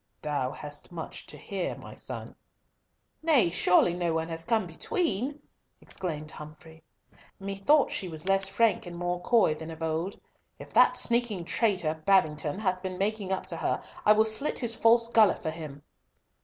"Thou hast much to hear, my son." "Nay, surely no one has come between!" exclaimed Humfrey. "Methought she was less frank and more coy than of old. If that sneaking traitor Babington hath been making up to her I will slit his false gullet for him."